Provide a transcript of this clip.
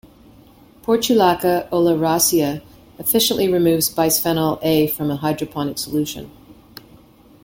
"Portulaca oleracea" efficiently removes bisphenol A from a hydroponic solution.